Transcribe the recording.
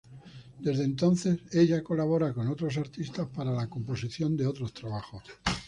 Desde entonces, ella colabora con otros artistas para la composición de otros trabajos.